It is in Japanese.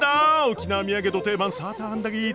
沖縄土産の定番サーターアンダギー。